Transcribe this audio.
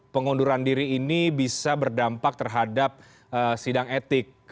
pengunduran diri ini bisa berdampak terhadap sidang etik